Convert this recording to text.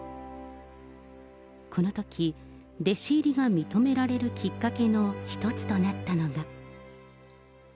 このとき、弟子入りが認められるきっかけの一つとなったのが。